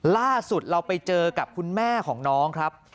ล่าสุดเราไปเจอกับคุณแม่ของน้องครับ